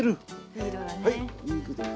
いい色だね。